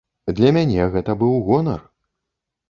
Для мяне гэта быў гонар.